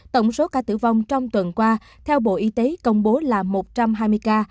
tổng số ca tử vong trong tuần qua theo bộ y tế công bố là một trăm hai mươi ca